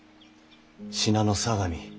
信濃相模